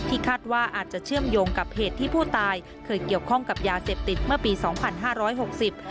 คาดว่าอาจจะเชื่อมโยงกับเหตุที่ผู้ตายเคยเกี่ยวข้องกับยาเสพติดเมื่อปีสองพันห้าร้อยหกสิบ